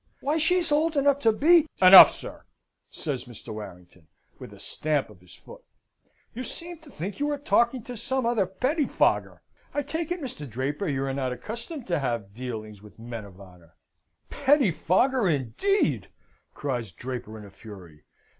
Why she's old enough to be " "Enough, sir," says Mr. Warrington, with a stamp of his foot. "You seem to think you are talking to some other pettifogger. I take it, Mr. Draper, you are not accustomed to have dealings with men of honour." "Pettifogger, indeed!" cries Draper in a fury.